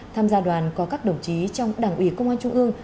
tham gia đoàn có các đồng chí trong đảng ủy công an trung ương